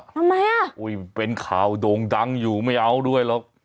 ทำไมอ่ะอุ้ยเป็นข่าวโด่งดังอยู่ไม่เอาด้วยหรอก